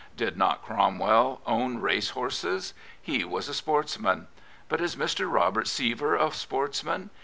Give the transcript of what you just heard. Did not Cromwell own race horses ? He was a sportsman. But is Mr. Robert Sievier a sportsman?